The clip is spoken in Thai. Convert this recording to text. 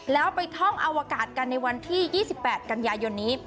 แล้วไปท่องอวกาศกันในวันที่๒๘กันยายนนี้